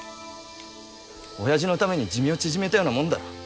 親父のために寿命縮めたようなもんだろ